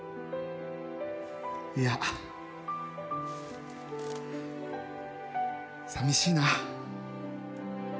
いやさみしいな。